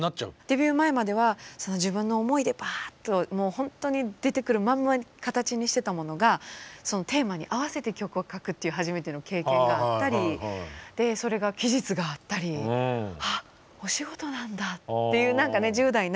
デビュー前までは自分の思いでバーっともうほんとに出てくるまんま形にしてたものがそのテーマに合わせて曲を書くという初めての経験があったりそれが期日があったり何かね